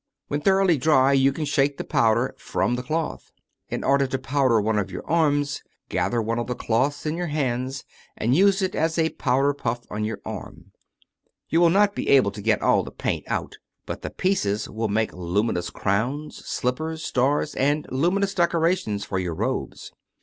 When thoroughly dry you can shake the powder frcmi 298 How Spirits Materialise the cioth. In order to powder one of your arms, gather one of the cloths in your hands, and use it as a powder puff on your arm. You will not be able to get all the paint out, but the pieces will make luminous crowns, slippers, stars, and luminous decorations for your robes.